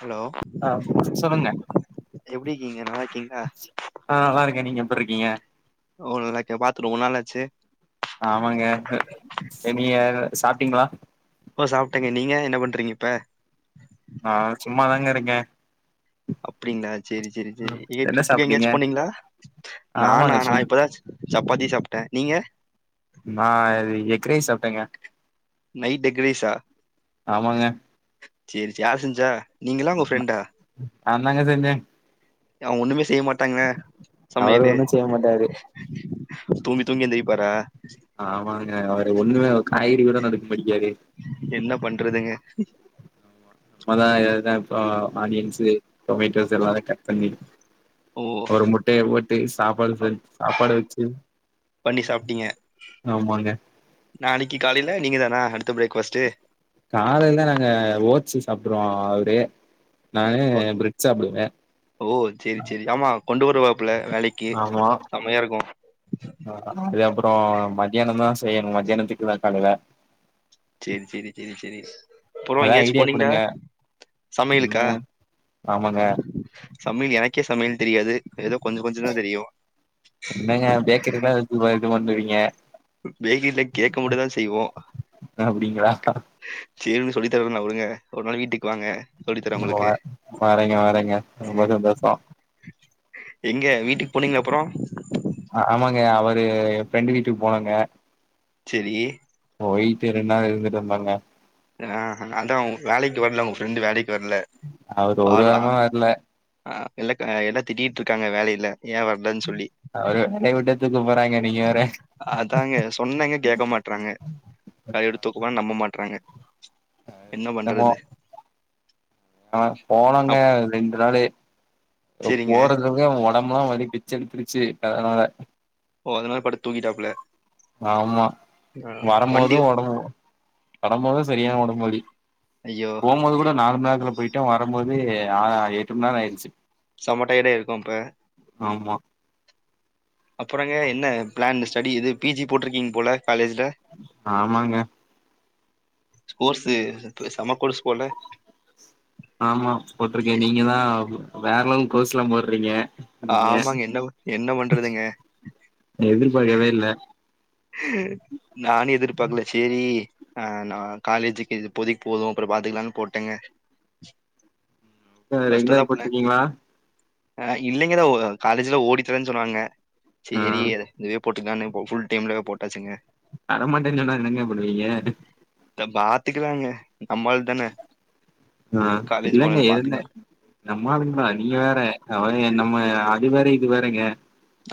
Hello ஆ சொல்லுங்க எப்பிடி இருக்கீங்க நல்லாக்கீங்களா ஆ நல்லா இருக்க நீங்க எப்புர்க்கீங்க ஓ நல்லார்க்க பாத்து ரொம்ப நாள்ளாச்சு ஆமாங்க அ நீங்க சாப்ட்டீங்களா ஓ சாப்ட்டெங்க நீங்க என்ன பண்றீங்க இப்ப நா சும்மாதாங்க இருக்கே அப்டிங்களா செரி செரி செரி ஏ என்ன ட்ரிப்புக்கு சாப்ட்டீங்க எங்யாச்சு போனீங்களா நானா ஆமாங்க நா சும் இப்பதாச்சு சப்பாத்தி சாப்ட்ட நீங்க நா எக்ரைஸ் சாப்ட்டேங்க நைட் எக்ரைசா ஆமாங்க சேரி சேரி யார் செஞ்சா நீங்களா உங்க ஃப்ரெண்ட்டா நாந்தாங்க செஞ்சே ஏ அவே ஒண்ணுமே செய்ய மாட்டாங்கா அவரு சமையலு ஒன்னு செய்ய மாட்டாரு தூங்கி தூங்கி எந்திரிப்பாரா ஆமாங்க அவரு ஒண்ணுமே ஒரு காய்கறி கூட நறுக்க மாட்டிங்காரு என்ன பண்றதுங்க நம்மதா எதாதுதா இப்போ ஆனியன்ஸ் டொமேட்டோஸ் எல்லாதயு கட் பண்ணி ஓ ஒரு முட்டைய போட்டு சாப்பாடு செஞ்சி சாப்பாடு வச்சி பண்ணி ஆமாங்க நாளைக்கி காலேல நீங்க தான அடுத்த பிரரேக்ஃபாஸ்டு காலேலதா நாங்க ஓட்ஸ் சாப்ட்ருவோ அவரு நானு ஓ பிரட் சாப்டுவே ஓ சேரி சேரி ஆமா கொண்டு வருவாப்ல வேலைக்கி ஆமா ஆ அது அப்பறோ மத்தியானந்தா செய்யணு மத்தியானத்துக்கு தா காலேல சேரி சேரி சேரி சேரி அப்பறோ அதா எங்கயாச்சு ஐடியா போனீங்களா குடுங்க சமையலுக்கா என்ன ஆமாங்க சமையல் எனக்கே சமையல் தெரியாது ஏதோ கொஞ்ச கொஞ்சந்தா தெரியு ஏ பேக்கரிதா சும்மா இருக்க மாட்றீங்க பேக்கிங்ல கேக் மட்டுந்தா செய்வோ அப்டிங்களா சேரி நீங்க சொல்லி தர வேணா விடுங்க ஒரு நாள் வீட்டுக்கு வாங்க சொல்லி தரேன் எங்க போல உங்களுக்கு வரேங்க வரேங்க ரொம்ப சந்தோஷோ எங்க வீட்டுக்கு போனீங்க அப்பறோ ஆமாங்க அவரு ஏ ஃப்ரெண்டு வீட்டுக்கு போனேங்க செரி போயிட்டு ரெண்டு நாள் இருந்துட்டு வந்தேங்க ஆ அதா வேலைக்கு வரல உங்க ஃப்ரெண்டு வேலைக்கு வரல அவரு ஒரு வாரமா வரல ஆ இல்லக்கா எல்லா திட்டிட்டு இருக்காங்க வேலையில ஏ வர லன் சொல்லி அவரு வேலைய விட்டே தூக்க போறாங்க நீங்க வேற அதாங்க சொன்னங்க கேட்க மாட் றாங்க வேலைய விட்டு தூக்க போறாங்கன்னா நம்ப மாட்டறாங்க என்ன என்னமோ பண்றது ஆ போனாங்க அப் ரெண்டு நாளு சரிங்க போறதுல ஏ ஒடம்புலா வலி பிச்ச எடுத்துருச்சி அதனால ஓ அதனால படுத் தூங்கிட்டாப்ல ஆமா வரம்போது வண்டி ஒடம்பு வரம்போது சரியான ஒடம்புவலி ஐய்யோ போம்போது கூட நாலு மணி நேரத்துல போயிட்டே வரம்போது ஆறு எட்டு மண் நேரோ ஆயிருச்சி செம டயடாயிருக்கு அப்ப ஆமா அப்பறங்க என்ன பிளான் ஸ்டடி இது பி ஜி போட்ருக்கீங்க போல காலேஜ்ல ஆமாங்க கோர்ஸூ செம்ம கோர்ஸ் போல ஆமா போட்ருக்கே நீங்கதா வேறளவுக்கு கோர்ஸ்லா போடுறீங்க ஆமாங்க என்ன பன் என்ன பண்றதுங்க எதுர்பாக்கவே இல்ல நானு எதிர்பாக்கல செரி ஆ நா காலேஜுக்கு இது இப்போதிக்கு போது அப்புற பாத்துக்கலானு போட்டேங்க ரெகுலர் பஸ்டாதப்பல போட்ருக்கீங்களா அ இல்லங்கதா ஓ காலேஜ்ல ஓடி தரேன்னு சொன்னாங்க ஆ செரி இதுவே போட்டுக்கானு ஃபுல் டைம்ல போட்டாச்சுங்க தர மாட்டேன்னு சொன்னா என்னங்க பண்ணூவீங்க இத பாத்துக்கலாங்க நம்மால் தானே ஆ காலேஜ் இல்லங்க ஓனர் இருந்தே பாத்துக்கலாம் நம்மாளுங்களா நீங்க வேற அவ நம்ம அது வேற இது வேறங்க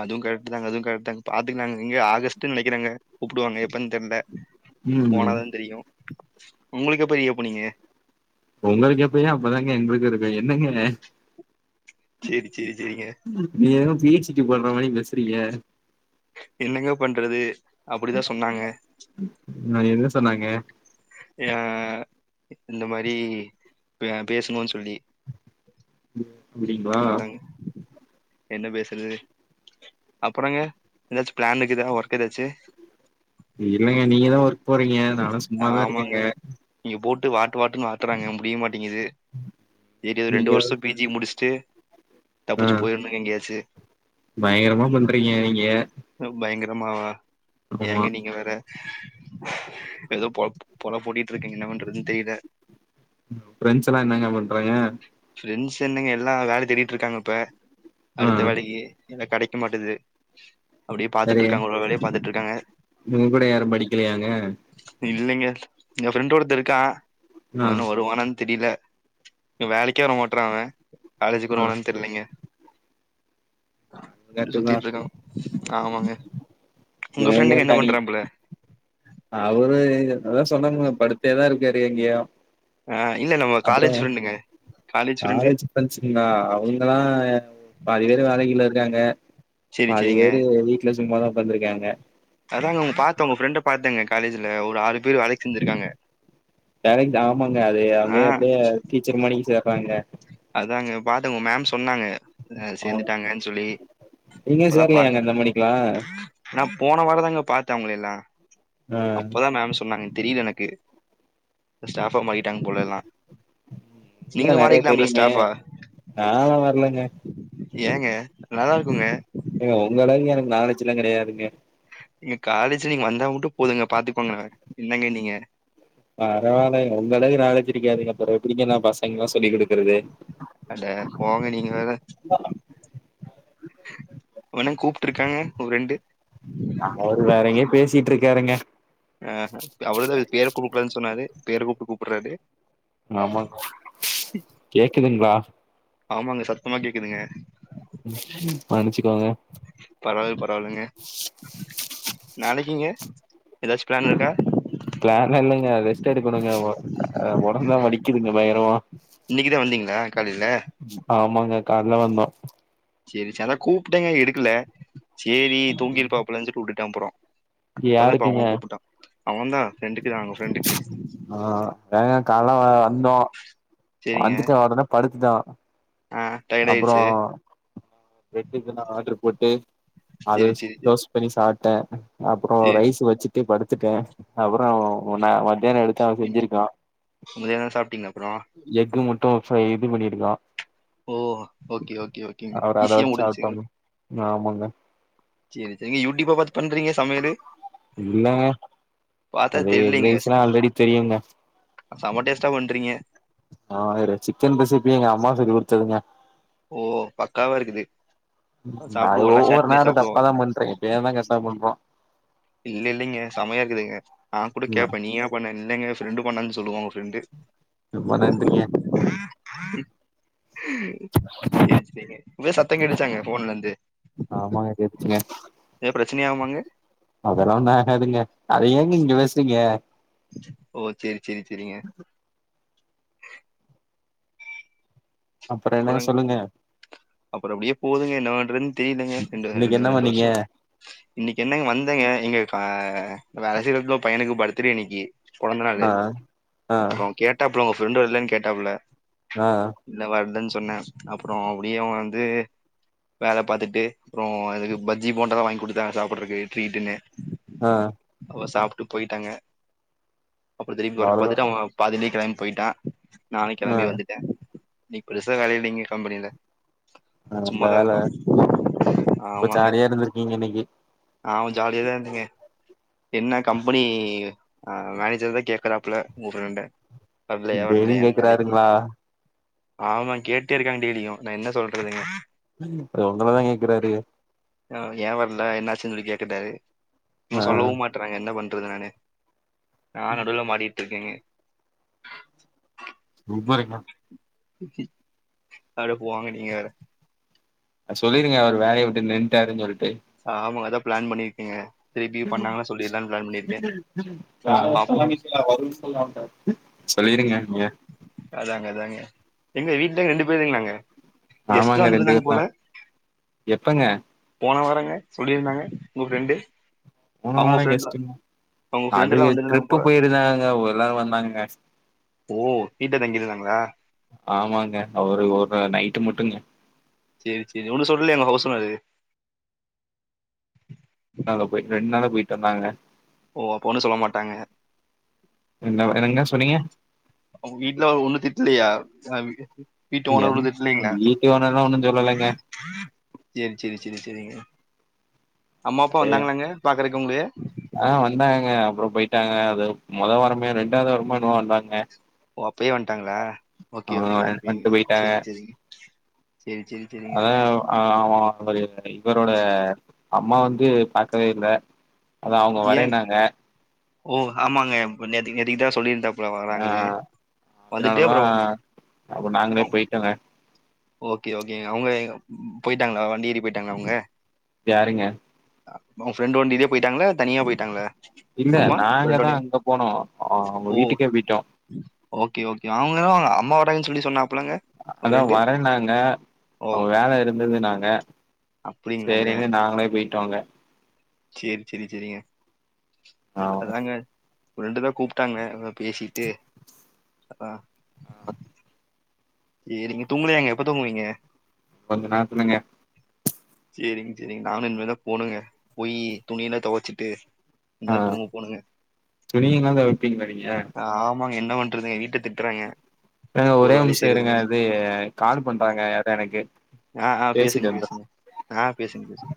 அதுவு கரெக்ட் தாங்க அதுவு கரெக்டாங்க பாத்துக்கலாங்க இங்க ஆகஸ்ட்டு நெனைக்கிறங்க கூப்புடுவாங்க எப்பன்னு தெரில ம் போனாதா தெரியு உங்களுக்கு எப்ப ரீ ஓப்பனிங்கு உங்களுக்கு எப்பயோ அப்பதாங்க எங்களுக்கு இருக்கு என்னங்க செரி செரி செரிங்க நீங்க எதோ பீ எச் டி பண்ர மாரி பேசுறீங்க என்னங்க பண்றது அப்படிதா சொன்னாங்க நா என்ன சொன்னாங்க ஆ இந்த மாரி பேசணுன்னு சொல்லி அப்டிங்களா அதாங்க என்ன பேசுறது அப்புறங்க ஏதாச்சு பிளான் இருக்குதா ஒர்க் ஏதாச்சு இல்லங்க நீங்க தா ஒர்க் போறீங்க நா எல்லா சும்மாதா இருக்கேங்க இங்க போட்டு வாட்டு வாட்டுன்னு வாட்டுறாங்க முடிய மாட்டேங்குது சரி ஒரு நீங்க ரெண்டு வருஷோ போ ஜி முடிச்சுட்டு ஆ தப்புச்சு போயிடுனுங்க எங்கேயாச்சு பயங்கரமா பண்றீங்க நீங்க பயங்கரமாவா ஆமா ஏங்க நீங்க வேற ஏதோ பொழப் பொழப் போட்டிட்டு இருக்கங்க என்ன பண்றதுன்னு தெரியல பிரண்ஸ் எல்லா என்னங்க பண்றாங்க ப்ரெண்ட்ஸ் என்னங்க எல்லா வேல தேடிட்டு இருக்காங்க இப்போ ஆ அடுத்த வேலைக்கு ஏன கடைக்க மாட்டேங்குது அப்படியே பாத்துட்டு சரி இருக்காங்க ஒரு ஒரு வேலைய பாத்துட்டு இருக்காங்க உங்க கூட யாரும் படிக்கலையாங்க இல்லைங்க என் பிரண்டு ஒருத்த இருக்கா ஆ அவ இன்னு வருவானான்னு தெரியல வேலைக்கே வர மாட்டற அவ காலேஜ்க்கு ஆ வருவானனு தெரியிலைங்க ப்ப கரெக்ட்டு தா சுத்திட்டு இருக்கோ ஆமாங்க உங்க நீங்க ஃப்ரெண்டுங்க என்ன தனி பண்றா பிள்ள அவரு அதா சொன்னாங்க படுத்தேதா இருக்காரு இங்கேயு ஆ இல்ல நம்ம காலேஜ் ஃப்ரெண்டுங்க காலேஜ் ஃப்ரெண்டு பிரண்ட்ஸ்ங்களா அவங்கல்லா பாதி பேர் வேலையில இருக்காங்க செரி பாதி செரிங்க பேர் வீட்ல சும்மா தா உட்கார்ந்து இருக்காங்க அதாங்க உங்க பாத்தா உங்க ஃப்ரெண்டை பாத்தேங்க காலேஜ்ல ஒரு ஆறு பேர் வேலைக்கு சேர்ந்திருக்காங்க வேலைக்கு தா ஆமாங்க அது அவங்க ஆ எப்படியே டீச்சர் மாரிக்கு சேர்றாங்க அதாங்க பாத்துங்க மேம் சொன்னாங்க ஆ சேந்துட்டாங்கன்னு சொல்லி நீங்க இப்பதா சேர்லையாங்க பாத்த இந்த மணிக்கெல்லா நா போன வாரந்தாங்க பாத்தே அவங்கலலயெல்லா ஆ அப்போதா மேம் சொன்னாங்க தெரியல எனக்கு ஸ்டாப்பா மாரீட்டாங்க போல எல்லா இங்க நெறைய தெரியுமே நால்ல வரலங்க ஏங்க நல்லா இருக்குங்க ஏங்க உங்க அளவுக்கு எனக்கு நாலேஜ் எல்லா கெடையாதுங்க ஏ காலேஜு நீங்க வந்தா மட்டு போதுங்க பாத்துக்கோங்க என்னங்க நீங்க பரவால்ல இந்த அளவு நாலேஜ் இருக்க ‌நீங்க அப்பறோ எப்டிங்க நா பசங்கலா சொல்லி குடுக்குறது அட போங்க நீங்க வேற இவனு கூப்ட்டுருக்காங்க ஒரு ரெண்டு அவரு வேற எங்கயோ பேசிட்டுருக்காருங்க ஆ அவரு பேர கூப்லன் சொன்னாரு பேர கூப்ட்டு கூப்புட்றாரு ஆமா கேக்குதுங்ளா ஆமாங்க சத்தமா கேக்குதுங்க மன்னிச்சுக்கோங்க பரவால் பரவால்லங்க நாளக்கிங்க கண் இருக்கா ப்ளான்லா இல்லங்க ரெஸ்ட் எடுக்கணுங்க ஒ அ ஒடம்புலா வலிக்குதுங்க பயகரமா இன்னைக்கு வந்தீங்களா காலைல ஆமாங்க கால்ல வந்தோ செரி சதா கூப்ட்டேங்க எடுக்கல சேரி தூங்கிருப்பாப்லஞ்சு புட்டுடே அப்பறோ அப்பதா இப்ப அவ யாருக்குங்க கூப்புட்டா அவந்தா ரெண்டுக்கு அகோ ஆ வேணா கால்ல வ வந்தோ சரிங்க. வந்துட்டு ஒடனே படுத்துட்டா ஆ டயட் ஆயிருச்சு ப்ரெட்டு எதுனா ஆட்ரு போட்டு சரி அதுஸ் சரி சரி. போஸ் பண்ணி சாப்டே அப்பறோ சரி. ரைஸ் வச்சுட்டு படுத்துட்டே அப்பறோ ஒன்ன மத்யானோ எடுத்து அவ செஞ்சிருக்கா மதியானோ சாப்ட்டீங்களா அப்பறோ எக்கு முட்ட பப்ஸு இது பண்ணிருக்கா ஓ ஓக்கே ஓக்கே ஓகேங்க அவரு அத ஈஸியா வச்சு முடிஞ்ச்சு சாப்ட்டோங்க ஆமாங்க செரி செரி நீ யூட்யூப்ப பாத்து பண்றீங்க சமையலு இல்லங்க பார்த்தா அது தெரியலைங்க. கேள்ஸ்னா ஆல்ரெடி தெரியுங்க செம டேஸ்டா பண்றீங்க ஆ வேற சிக்கன் ரெசிபி எங்க அம்மா சொல்லி குடுத்ததுங்க ஓ பக்காவா இருக்குது ம் நா சாப்பிடுவோம்ல, ஷேர் ஒவ்வொரு பண்ணி நேரோ சாப்பிடுவோம். தப்பாதா பண்றே எப்பயா தா கர்ட்டா பண்றோ இல்ல இல்லிங்க செமையாக்குதுங்க நா கூட ம் கேப்பே நீயா பண்ணன் இல்லங்க ஃப்ரெண்டு பண்ணான் சொல்லுவா உங்க ஃப்ரெண்டு ரொம்ப நன்றிங்க [inaudible] ம் சேரி சேரி எது சத்தோ கேட்டுச்சாங்க ஃபோன்லந்து ஆமாங்க கேட்டுச்சுங்க எது ப்ரச்சனயாகுமாங்க அதலா ஒன்னு ஆகாதுங்க அத ஏங்க இங்க யோசிங்க ஓ சேரி சேரி செரிங்க அப்பறோ என்ன சொல்லுங்க அப்பறோ அப்டியே போகுதுங்க என்ன வண்றன் தெரியலங்க ரெண்ட இன்னைக்கு ரெண்ட என்ன ரெண்டு பண்ணீங்க வர்ஷோ இன்னக்கி என்னங் வந்தங்க இங்க க வேல செய்ற எடத்துல ஒரு பையனுக்கு பர்த்டே இன்னக்கி பொறந்த நாளு ஆ ஆ அப்றோ கேட்டாப்புல உங்க ஃப்ரெண்ட் வர்லயானு கேட்டாப்புல ஆ இல்ல வருதுன் சொன்னே அப்றோ அப்டியும் வந்து வேல பாத்துட்டு அப்றோ இதுக்கு பஜ்ஜி போண்டாலா வாங்கி குடுத்தாங்க சாப்பட்றக்கு ட்ரீட்டுன்னு ஆ அப்றோ சாப்ட்டு போயிட்டாங்க அப்புற திரும்பி ஒர்க அவ்ளோதா பாத்துட்டு அவங்க பாதிலயே கெளம்பி போயிட்டா நானும் ஆ ஆ கெளம்பி வந்துட்டே இன்னிக்கு பெருசா வேலை இல்லங்க கம்பெனில நல்ல சும்மாதா வேல இருந்தோ ரொம்ப ஆமாங்க ஜாலியா இருந்திருக்கீங்க இன்னைக்கு ஆமா ஜாலியா தா இருந்தீங்க என்ன கம்பெனி அ மேனேஜர் தா கேக்குறாப்ல உங்க ஃப்ரெண்ட வரலையா டெய்லியு கேக்குறாருங்ளா ஆமாங்க கேட்டே இருக்காங்க டெய்லியு நா என்ன சொல்றதுங்க அவரு உங்களதா கேக்குறாரு ஆ ஏ வர்ல என்னாச்சுன்னு சொல்லி கேட்டுட்டாரு ஆ இவன் சொல்லவு மாட்றா என்ன பண்றது நானு நா நடுவுல மாட்டிட்ருக்கேங்க குட் மார்னிங் மேம் அட போங்க நீங்க வேற அ சொல்லிருங்க அவரு வேலைய விட்டு நின்ட்டாருன்னு சொல்ட்டு ஆமா அத்தா பிளான் பண்ணியிருக்கங்க பாப்போ [unintelligible] சொல்லிருங்க நீங்க அதாங்க அதாங்க எங்க வீட்ல ரெண்டு பேருங்களாங்க கெஸ்ட்லா ஆமாங்க ரெண்டு வந்துருந்தாங்க பேர் தா போல எப்பங்க போன வாரங்க சொல்லியிருந்தாங்க உங்க ஃப்ரெண்ட்டு போன வாரம் கெஸ்டுங்க அவங்க ஃப்ரெண்டெல்லா அதுக வந்துருந்தாங்க ட்ரிப்பு போல போயிருந்தாங்கங்க ஒருநாள் வந்தாங்கங்க ஓ கீட்ட தங்கியிருந்தாங்களா ஆமாங்க அவரு ஒரு நைட்டு மட்டுங்க சேரி சேரி ஒன்னு சொல்லயாங்க ஹவுஸ் ஓனரு நாங்க போயி ரெண் நாளா போயிட்டு வந்தாங்க ஓ அப்போ ஒன்னும் சொல்ல மாட்டாங்க என்ன ஒரு என்னங்க சொன்னீங்க அவங்க வீட்ல ஒன்னும் திட்லயா வீட்டு ஓனர் என் ஒன்னும் திட்லைங்களா வீட்டு ஓனர்லா ஒன்னு சொல்லலங்க சேரி சேரி சேரி சேரிங்க அம்மா அப்பா வந்தாங்களாங்க பாக்கறக்கு உங்களைய ஆ வந்தாங்க அப்பறோ போயிட்டாங்க அது மொத வாரமே ரெண்டாவது வாரமோ என்னவோ வந்தாங்க ஓ அப்பயே வண்ட்டாங்களா ஓக்கே ஆ ஓக்கே பே வந்ட்டு போயிட்டாங்க சேரிங் சேரிங் சேரி சேரி சேரிங்க அதா அவ அவரு இவரோட அம்மா வந்து பாக்கவே இல்ல அத்தா அவங்க ஏங் வரேன்னாங்க ஓ ஆமாங்க ப நேத்தைக்கு நேத்தைக்கு தா சொல்லியிருந்தாப் ல ஆ வராங்கன்னு வந்துட்டே அதனாலதா அப்றோ அப்ப நாங்களே போயிட்டோங்க ஓக்கே ஓக்கேங்க அவங்க போயிட்டாங்களா வண்டி ஏறி போயிட்டாங்களா அவங்க வியாருங்க உங்க ஃப்ரெண்டு வண்டிலயே போயிட்டாங்களா தனியா போயிட்டாங்களா இல்ல அம்மா நாங்க தா ஃப்ரெண்டோடயா அங்க போனோ அ அவங்க வீட்டுக்கே போயிட்டோ ஓக்கே ஓக்கே அவங்க தா அவங்க அம்மா வராங்கன்னு சொல்லி சொன்னாப்லங்க ஆனா வரேன்னாங்க அவங்க வேல இருந்துதுனாங்க அப்டிங்களாங்க செரினு நாங்களே போயிட்டோங்க செரி செரி செரிங்க ஆ அதாங்க ஃப்ரெண்டு தா கூப்ட்டாங்க அதா பேசிட்டு அ அ [unintelligible] செரிங்க தூங்கலயாங்க எப்ப தூங்குவீங்க கொஞ்சோ நேரத்லங்க செரிங்க செரிங்க நானு இனிமேல் தா போனுங்க போய் துணியல்லா துவச்சிட்டு ஆ உங்க தூங்க போணுங்க துணியெல்லா தொவைப்பீங்களா நீங்க ஆம் ஆமாங்க என்ன பண்றது ஏ வீட்ல திட்றாங்க ஏங்க ஒரே ஒரு நிமிஷ இருங்க இது கால் பண்றாங்க யாரோ எனக்கு ஆ, ஆ பேசுங்க, பேசிட்டு வந்துர்ற பேசுங்க. ஆ பேசுங்க பேசுங்க